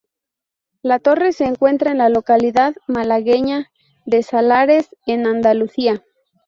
La torre se encuentra en la localidad malagueña de Salares, en Andalucía.